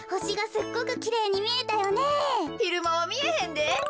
ひるまはみえへんで。